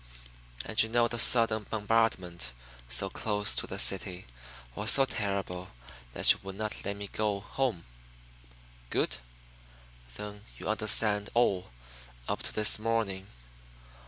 And you know the sudden bombardment, so close to the city, was so terrible that you would not let me go home? Good! Then you understand all, up to this morning.